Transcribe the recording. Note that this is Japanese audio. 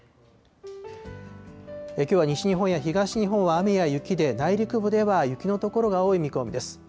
きょうは西日本や東日本は雨や雪で、内陸部では雪の所が多い見込みです。